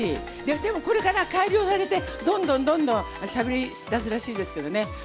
でもこれから改良されて、どんどんどんどんしゃべりだすらしいですけどね。